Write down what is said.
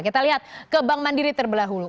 kita lihat ke bank mandiri terbelah hulu